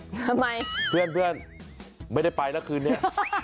ทำไมเพื่อนไม่ได้ไปนะคืนนี้